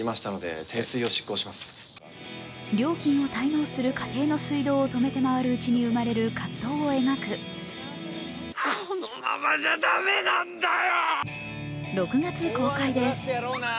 料金を滞納する家庭の水道を止めて回るうちに生まれる葛藤を描く６月公開です。